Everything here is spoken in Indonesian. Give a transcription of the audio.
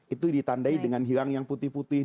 itu ditandai dengan hilang yang putih putih